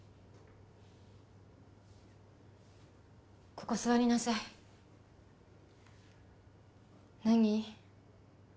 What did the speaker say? ここ座りなさい何？